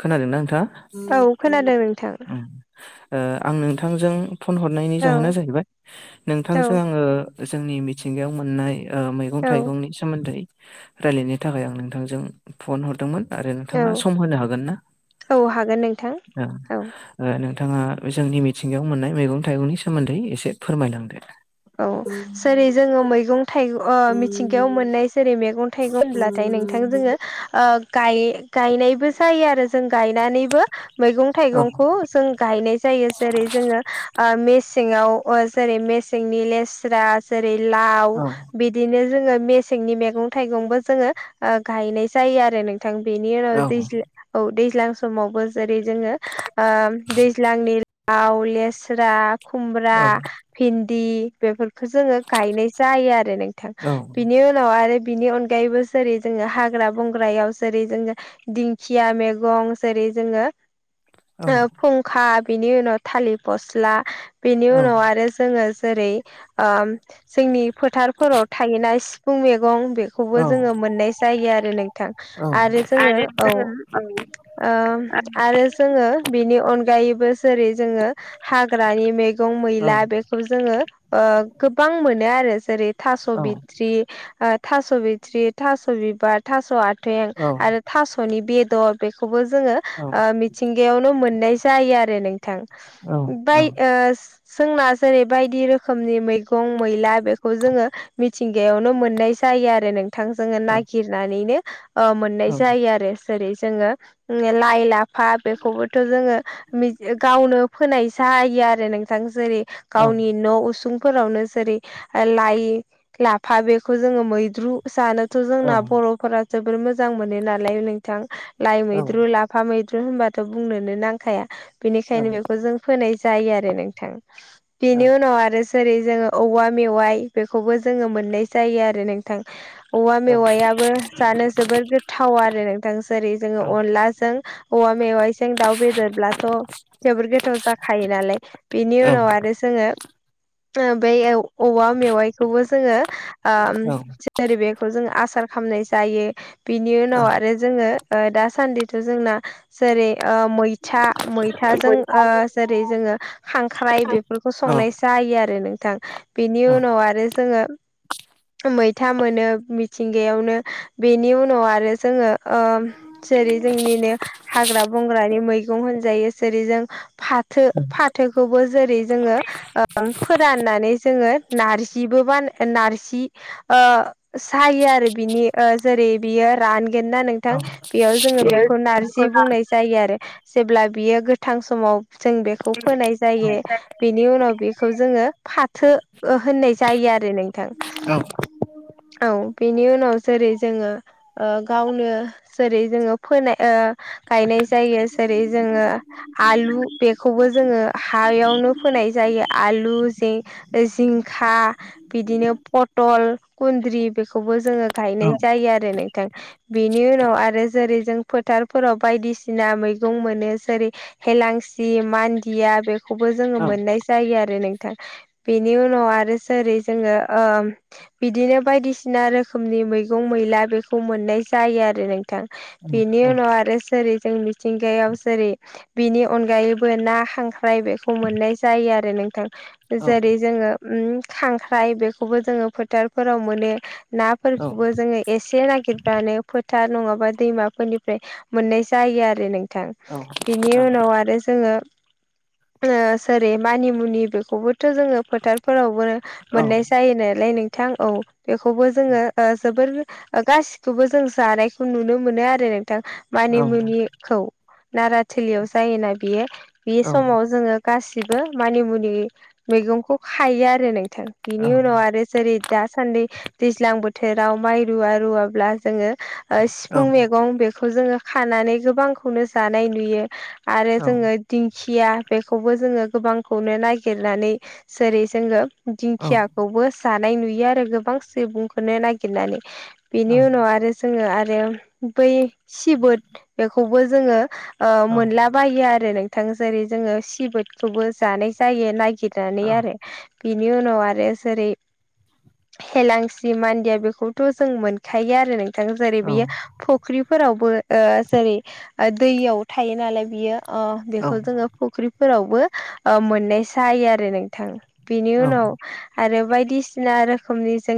खोनादों ना नोंथाङा? औ खोनादों नोंथां आं नोंथांजों फन हरनायनि औ जाहोना जाहैबाय। औ नोंथांजों आङो जोंनि मिथिंगायाव मोननाय ओ मैगं औ थाइगंनि सोमोन्दै रायलायनो थाखाय आं नोंथांजों फन हरदोंमोन। आरो औ नोंथाङा सम होनो हागोन ना? औ हागोन नोंथां ओ औ ओ नोंथाङा जोंनि मिथिंगायाव मोननाय मैगं थाइगंनि सोमोन्दै एसे फोरमाय लांदो। औ सेरै जोङो मैगं थाइग ओ मिथिंगायाव मोननाय जेरै मैगं थाइगं होनब्लाथाय नोंथां जोङो ओ गाय-गायनायबो जायो आरो। जों गायनानैबो मैगं औ थाइगंखौ जों गायनाय जायो। जेरै जोङो आ मेसेङाव जेरै मेसेङाव जोंनि लेस्रा जेरै लाव औ बिदिनो जोंङो मेस सेंनि मैगं थाइगंबो जोङो ओ गायनाय जायो आरो नोंथां। बेनि उनाव औ दैज्ला औ दैज्लां समावबो जेरै जोङो ओ दैज्लांनि लाव, लेस्रा खुमब्रा, औ भिन्दि बेफोरखौ जोङो गायनाय जायो आरो नों थां बिनि उनाव आरो बिनि अनगायैबो जेरै जोङो हाग्रा बंग्रायाव जेरै जोङो दिंखिया मेगं जेरै जोङो औ ओ फुंखा बिनि उनाव थालि फस्ला बेनि औ उनाव आरो जोङो जेरै आम जोंनि फोथारफोराव थायोना सिफुं मैगं बेख खौबो औ जोङो मोननाय जायो आरो नोंथां। औ आरो जोङो औ ओ आरो जोङो बिनि अनगायैबो जेरै जोङो हाग्रानि मैगं औ मैला बे जोङो ओ गोबां मोनो आरो जेरै थास' औ बिथ्रि ओ थास' बिथ्रि, थास' बिबार, थास' आथें औ आरो थास'नि बेदर बेखौबो जोङो ओ मिथ थिंगायावनो मोननाय जायो आरो नोंथां। बाय ओ जोंना जेरै बायदि रोखोमनि मैगं मैला बेखौ जोङो मिथिंगायावनो मोननाय जायो आरो नों थां जोङो नागिरनानैनो ओ औ मोननाय जायो आरो। जेरै जोङो उम लाय, लाफा बेखौबोथ' जोङो। मिथ गावनो फोनाय जायो आरो नोंथां। जेरै औ गावनि न' उसुंफोरावनो जेरै लाइ लाफा बेखौ जोङो मैद्रु जानोथ' औ जोंना बर'फोरा जोबोर मोजां मोनो नालाय नोंथां लाइ औ मैद्रु लाफ फा मैद्रु होनबाथ' बुंनोनो नांखाया। औ बेनिखायनो बेखौ जों फोनाय जायो आरो नोंथां बेनि उना नाव आरो जेरै जोङो औवा मेवाइ बेखौबो जोङो मोननाय जायो आरो नों थां औवा औ मेवाइयाबो जानो जोबोर गोथाव आरो नोंथां जेरै औ जोङो अनलाजों औवा मेवाइजों दाउ बेेदरब्लाथ' जोबोर गोथाव जाखायो नालाय बिनि औ उनाव आरो जोङो ओ बै औ औवा मेवाइखौबो जोङो ओम औ जेरै बेखौ जों आसार खामनाय जायो बिनि उनाव आरो जोङो ओ दासान्दिथ' जोंना जेरै ओ मैथा मैथाजों ओ जेरै जोङो खांख्राइ खां बेफो फोरखौ औ संनाय जायो आरो नोंथां बेनि औ उनाव आरो जोङो मैथा मोनो मिथिंगायावनो बेनि उनाव आरो जोङो ओ जेरै जोंनिनो हाग्रा बंग्रानि मैगं होनजायो जेरै जों फाथो फाथोखौबो जेरै जोङो ओं फोराननानै जोङो नार्जिबो बाना नार्जि ओ सायो आरो बिनि ओ जोरै बियो रानगोनना नों औ थां बेयाव जोङो बेखौ नार्जि बुंनाय जायो आरो जेब्ला बियो गोथां समाव जों बेखौ फोनाय जायो। बेनि उनाव बेखौ जोङो फाथो ओ होननाय जायो आरो नोंथां। औ बेनि उनाव जेरै जोङो ओ गावनो जोरै जोङो फोनाय ओ गायनाय जायो जेरै जोङो आलु बेखौबो जोङो हायावनो फोनाय जायो आलु जिं-जिंखा बिदिनो पटल कुन्द्रि बेखौबो जोङो गायनाय जायो आरो नोंथां बिनि उनाव आरो जोरै जों फोथारफोराव बायदिसिना मैगं मोनो जोरै हेलांसि मान्दिया बेखौबो जोङो मोननाय जायो आरो नोंथां। बेनि उनाव आरो जोरै जोङो ओम बिदिनो बायदिसिना रोखोमनि मैगं मैला बेखौ मोननाय जायो आरो नोंथां। बिनि उनाव आरो जोरै जोंनि थिंगायाव जोरै बिनि अनगायैबो ना खांख्राइ बे खौ मोननाय जायो आरो नोंथां जोरै जोङो उम खांख्राइ बेखौबो जोङो फोथारफोराव मोनो नाफोरखौबो जोङो एसे नागिरब्लानो फोथार नङाबा दैमाफोरनिफ्राय मोननाय जायो आरो नों थां औ बिनि उनाव आरो जोङो [unintelligible] जेरै मानिमुनि बेखौबोथ' जोङो फोथारफोरावबो मोननाय जायो नालाय नोंथां औ बेखौबो जोङो ओ जोबोर ओ गासिखौबो जों जानायखौ नुनो मोनो आरो नोंथां। मानि मुनिखौ नारा थोलियाव जायोना बेयो बे समाव जोङो गासिबो मानिमुनि मैगंखौ खायो आरो नोंथां बिनि उनाव आरो जेरै दासान्दि दैज्लां बोथोराव माइ रुवा रुवाब्ला जोङो ओ सिफुं मेगं बेखौ जोङो खानानै गोबांखौनो जानाय नुयो। आरो जोङो दिंखिया बेखौबो जोङो गोबांखौनो नागिरनानै जोरै जोङो दिंखिया खौबो जानाय नुयो आरो गोबां सेबुंखौनो नागिरनानै बिनि उनाव आरो जोङो आरो बै सिबोद बेखौबो जोङो ओ मोनला बायो आरो नोंथां जेरै जोङो सिबोदखौबो जानाय जायो नागिरनानै आरो। बिनि उनाव आरो जोरै हेलांसि मान्दिया बेखौथ' जों मोनखायो आरो नै बिथां जेरै बियो फुख्रिफोरावबो जेरै दैयाव थायो नालाय बियो अ बेखौ जोङो फुख्रिफोरावबो मोननाय जायो आरो नोंथां बिनि उनाव आरो बायदिसिना रोखोमनि जों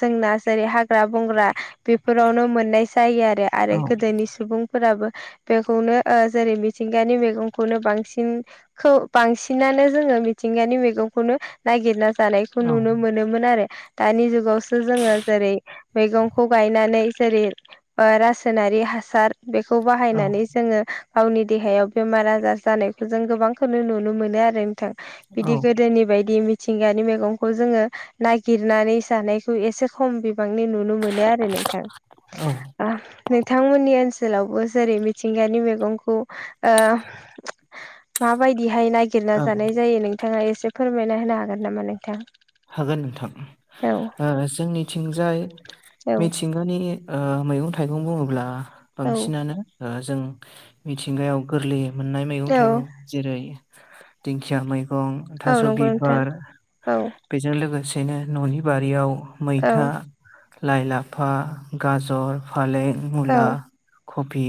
जोंना जेरै हाग्रा बंग्रा बेफोरावनो मोननाय जायो आरो आरो गोदोनि सुबुंफोराबो बेखौनो जेरै मिथिंगानि मैगंखौनो बांसिन खौ बांसिनानो जोङो मिथिंगानि मैगंखौनो नागिरना जानायखौ नुनो मोनो मोनोमोन आरो दानि जुगावसो जोङो जेरै मैगंखौ गायनानै जेरै रासायनारि हासार बेखौ बाहायनानै जोङो गावनि देहायाव बेमार आजार जानायखौ जों गोबांखौनो नुनो मोनो आरो नोंथां बिदि गोदोनि बायदि मिथिंगानि मैगंखौ जोङो नागिरनानै जानाय थ एसे खम बिबांनि नुनो मोनो आरो नोंथां नोंथांमोननि ओनसोलावबो जेरै मिथिंगानि मैगंखौ माबायदिहाय नागिरना जानाय जायो नोंथाङा एसे फोरमायना होनो हागोन नामा नोंथां हागोन नोंथां औ ओ जोंनिथिंजाय मिथिं मैगं थाइगं बुङोब्ला औ बांसिनानो जों मिथिंगायाव गोरलै मोननाय मैगं औ थाइगं जेरै दिंखिया मैगं औ थास' नंगौ नोंथां बिबार औ बेजों लोगोसेनो न'नि बारियाव औ मैथा लाइ लाफा गाजर फालें औ मुला कफि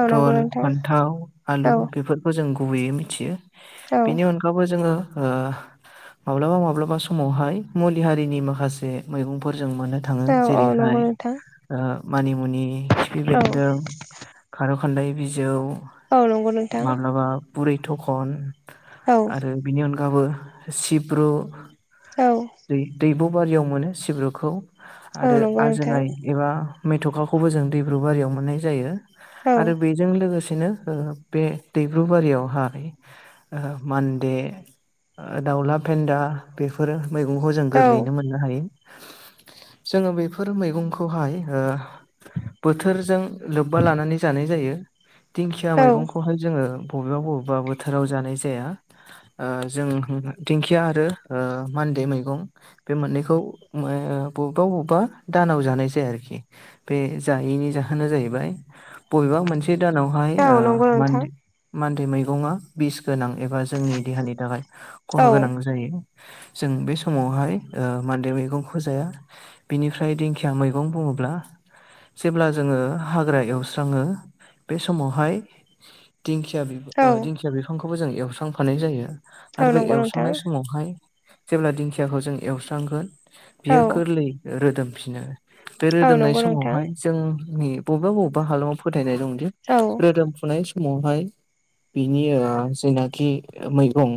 औ नंगौ नोंथां फान्थाव आलु औ बेफोर जों गुबैयै मिथियो औ बिनि अनगैबो जोङो माब्लाबा मा समावहाय मुलि हारिनि माखासे मैगंफोर जों मोननो थाङो औ औ जेरैहाय नंगौ नोंथां मानिमुनि खिफि औ बेन्दों खारौ खान्दाय बिजौ औ नंगौ नोंथां माब्लाबा बुरै थखन औ आरो बिनि अनगाबबो सिब्रु औ दैब बारियाव मोनो सिब्रुखौ औ आरो नंगौ नोंथां आजोनाय एबा मेथ'खाखौबो जों दैब्रु बारियाव मोननाय जायो औ आरो बेजों लोगोसेनो बे दैब्रुुबारियावहाय ओ मानदे दावला फेन्दा बेफोर मैगंखौ जों औ गोरलैयैनो मोननो हायो जोङो बेफोर मैगंखौहाय बोथोरजों लोब्बा लानानै जानाय जायो दिंखिया औ मैगंखौहाय जोङो। बबेबा बबेबा बोथोराव जानाय जाया ओ जों दिंखिया आरो मान्दे मैगं बे मोननैखौ ओ बबेबा बबेबा दानाव जानाय जाया आरोखि बे जायैनि जाहोना जाहैबाय बबेबा मोनसे बे दानावहाय औ ओ नंगौ मान नोंथां मानदै मैगंआ बिस गोनां एबा जोंनि देहानि थाखाय औ खहा गोनां जायो। जों बे समावहाय मान्दे मैगंखौ जाया। बिनिफ्राय दिंखिया मैगं बुङोब्ला। जेब्ला जोङो हाग्रा एवस्राङो बे समावहाय दिंखिया औ दिंखिया बिफांखौबो जों एवस्रांफानाय जायो औ आरो बे नंगौ नोंथां एवस्रांनाय समावहाय। जेब्ला दिंखियाखौ जों एवस्रांगोन औ बियो गोरलै रोदोमफिनो। बे औ रोदोमनाय नंगौ नोंथां समावहाय जोंनि बबेबा बबेबा हालामाव फोथायनाय दंदि औ रोदोमफुनाय समावहाय बिनि जायनाखि मैगं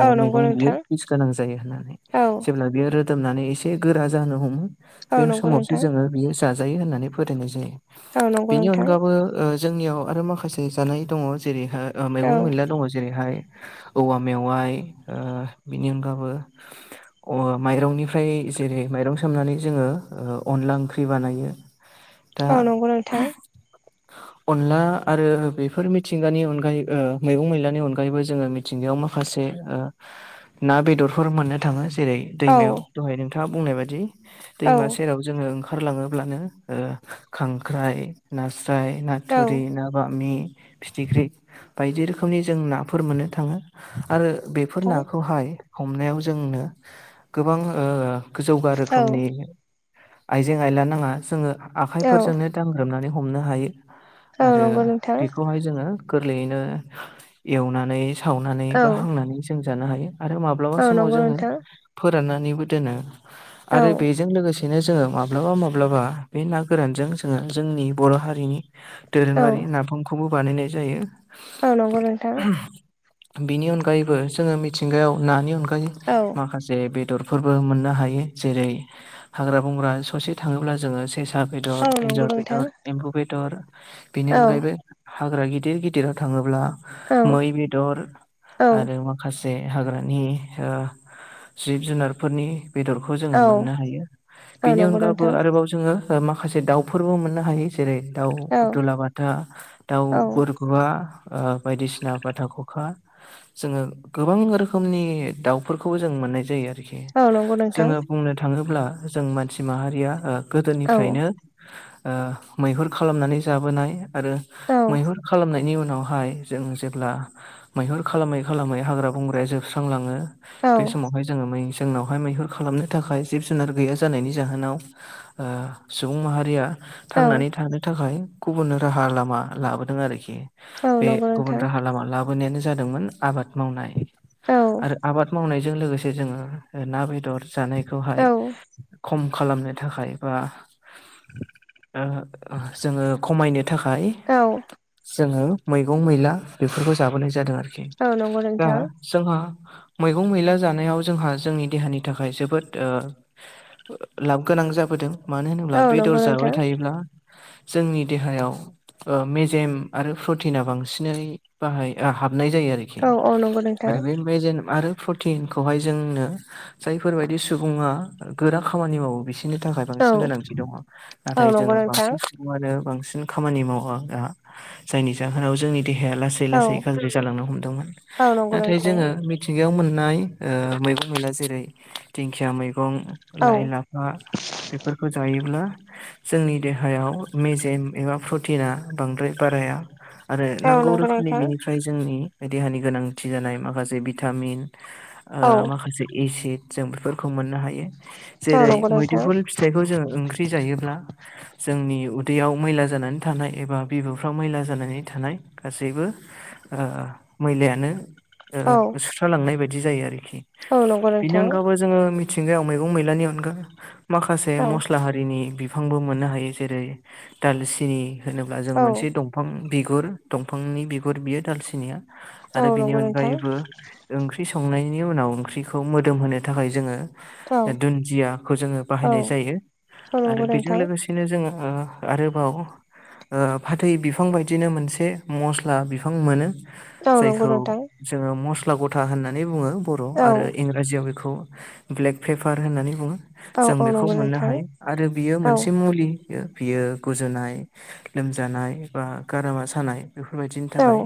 औ नंगौ मैगं बियो नोंथां पिस गोनां जायो होननानै औ जेब्ला बेयो फोदोमनानै एसे गोरा जानो हमो औ बे नंगौ समावसो नोंथां जोङो बियो जाजायो होननानै फोथायनाय जायो। औ नंगौ बेनि नोंथां अनगाबो ओ जोंनियाव आरो माखासे जानाय दङ जेरैहा ओ औ मैगं मैला दङ जेरैहाय औवा मेवाइ ओ बेनि अनगाबो अ माइरंनिफ्राय जेरै माइरं सोमनानै जोङो ओ अनला ओंख्रि बानायो। [unintelligible] औ नंगौ नोंथां। अनला आरो बेफोर मिथिंगानि अनगायै ओ मैगं मैलानि अनगायैबो जोङो मि थिंगायाव माखासे ओ ना बेदरफोर मोननो थाङो जेरै औ औ नोंथां औ दैमायाव दहाय नोंथाङा बुंनाय बादि। दैमा सेराव जोङो ओंखारलाङोब्लानो ओ खांख्राइ नास्राय ना थुरि ना बामि फिथिख्रि बायदि रोखोमनि जों नाफोर मोननो थाङो आरो बेफोर नाखौ खौहाय हमनायाव जोंनो गोबां ओ गोजौगा रोखोमनि आइजें आयला नाङा जोङो औ आखाइफोरजोंनो दांग्रोमनानै हमनो हायो। औ आरो नंगौ नोंथां बेखौहाय जोङो गोरलैयैनो एवनानै सावनानै औ बा हांनानै जों जानो हायो आरो माब्लाबा औ समाव नंगौ जोङो नोंथां फोराननानैबो दोनो औ आरो बेजों लोगोसे सेनो जोङो माब्लाबा माब्लाबा बे ना गोरानजों जोङो जोंनि बर' हारिनि औ दोरोङारि नाफामखौबो बानायनाय जायो। औ नंगौ नोंथां। बिनि अनगायैबो जोङो मिथिंगायाव नानि अनगायै औ माखासे बेदरफोरबो मोननो हायो जेरै हाग्रा बंग्रा ससे थाङोब्ला जोङो सेसा बेदर, औ एन्जर नंगौ नोंथां बेदर, एम्बु बेदर बेनि औ अनगायैबो हाग्रा गिदिर गिदिराव थाङोब्ला औ मै बेदर औ आरो जे हाग्रानि ओ जिब जुनारफोरनि बेदर खौ जोङो औ मोननो हायो औ बेनि नंगौ अनगाबो नोंथां आरोबाव जोङो ओ माखासे दाउफोरबो मोननो हायो। जेरै दाउ औ फु दुला बा दा दाउ औ गुरगुवा ओ बायदिसिना बाथा खखा जोङो गोबां रोखोमनि दाउफोरखौबो जों मोननाय जायो आरोखि औ नंगौ नोंथां जोङो बुंनो थाङोब्ला जों मानसि माहारिया ओ औ गोदोनिफ्रायनो ओ मैहुर खालामनानै जाबोनाय आरो औ मैहुर खालामनायनि उनावहाय जों जेब्ला मैहुर खालामै खालामै हाग्रा बंग्राया जोबस्रांलाङो औ बे समावहाय जोङो मै जोंनावहाय मैहुर खालामनो थाखाय जिब जुनार गैया जानायनि जाहोनाव ओ सुबुं माहारिया औ थांनानै थानो थाखाय गुबुन राहा लामा लाबोदों आरोखि। औ बे नंगौ गुबुन नोंथां राहा लामा लाबोनायानो जादोंमोन आबाद मावनाय औ आरो आबाद मावनायजों लोगोसे जोङो ओ ना बेदर जानायखौहाय औ खम खालामनो थाखाय बा ओ जोङो खमायनो थाखाय औ जोङो मैगं मैला बेफोरखौ जाबोनाय जादों आरोखि। औ नं दा जोंहा मैगं मैला जानायाव जोंहा जोंनि देहानि थाखाय जोबोद ओ लाब गोनां जाबोदों मानो होनोब्ला औ बेदर नंगौ जाबाय नोंथां थायोब्ला जोंनि देहायाव ओ मेजेम आरो प्रटिना बांसिनै बाहाय हाबनाय जायो आरो खि औ औ नंगौ नोंथां आरो बे मेजेन आरो प्रटिनखौहाय जोंनो जायफोरबायदि सुबुङा गोरा खामानि मावो बे सिनि थाखाय औ बांसिन गोनांथि दङ औ नाथाय नंगौ जोङो नोंथां बांसिन आरो बांसिन खामानि मावा दा जायनि जाहोनाव जोंनि देहाया लासै औ लासै लासै गाज्रि जालांनो हमदोंमोन। औ नंगौ नाथाय नोंथां जोङो मिथिंगायाव मोननाय ओ मैगं मैला जेरै दिंखिया मैगं औ लाइ औ ला बेफोरखौ जायोब्ला जोंनि देहायाव मेजेम एबा प्रटिना बांद्राय बाराया आरो नंगौ नोंथां औ नांगौ नंगौ रोखोमनि नोंथां बेनि जोंनि देहानि गोनांथि जानाय माखासे भिटामिन औ ओ माखासे एसिड जों बेफोरखौ मोननो हायो औ जेरै मोदुफुल फिथाइखौ जोङो ओंख्रि जायोब्ला जोंनि उदैयाव मैला जानानै थानाय एबा बिब'फ्राव मैला जानानै थानाय गासैबो ओ मैलायानो सुस्रालांनाय बायदि जायो आरोखि नंगौ बिनि नोंथां अनगाबो जोङो मिथिंगायाव मैगं मैलानि अनगा माखासे औ हारिनि बिफांबो मोननो हायो जेरै दालसिनि होनोब्ला जों औ मोनसे दं फां बिगुर दंफांनि बिगुर बियो दालसिनिया औ आरो बिनि नंगौ नोंथां अनगायैबो ओंख्रि संनायनि उनाव ओंख्रिखौ मोदोम होनो थाखाय जोङो औ दुन्दियाखौ जोंङो औ बाहायनाय जायो। औ आरो नंगौ बेजों नोंथां लोगोसे बिदिनो जोंङो आरोबाव ओ फाथै बिफां बायदिनो मोनसे मस्ला बिफां मोनो औ नंगौ जायखौ नोंथां जोंङो मस्ला गथा होननानै बुंङो बर' औ आरो जिआव बेखौ ब्लेक पेपार होननानै बुङो। औ जों औ बेखौ नंगौ मोननो नोंथां हायो आरो बियो औ मोनसे मुलि बियो गुजुनाय लोमजानाय बा गारामा सानाय बेफोरबायदिनि थाखाय औ